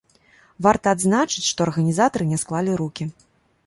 Варта адзначыць, што арганізатары не склалі рукі.